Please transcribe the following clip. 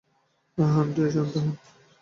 আহা আন্টি, শান্ত হোন।